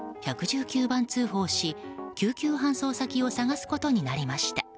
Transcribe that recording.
１１９番通報し、救急搬送先を探すことになりました。